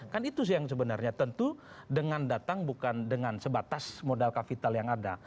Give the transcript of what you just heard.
kan itu sih yang sebenarnya tentu dengan datang bukan dengan sebatas modal kapital yang ada